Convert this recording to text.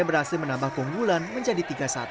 dan berhasil menambah konggulan menjadi tiga satu